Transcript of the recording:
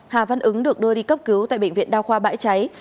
hà văn ứng được đưa đi cấp cứu tại bệnh viện đao khoa bãi cháy